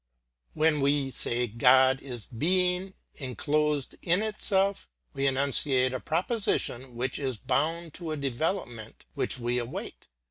When we say God is Being enclosed [pg 141]in itself, we enunciate a proposition which isbound to a development which we await.